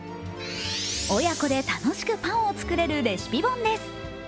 親子で楽しくパンを作れるレシピ本です。